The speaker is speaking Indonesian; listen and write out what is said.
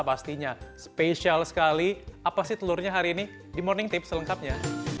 pastinya spesial sekali apa sih telurnya hari ini di morning tips selengkapnya